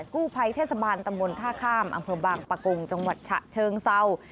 กู้ภัยเทศบาลตำบลท่าข้ามอำเภอบางปะกงจังหวัดฉะเชิงเศร้า